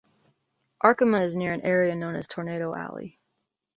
Arkoma is near an area known as Tornado Alley.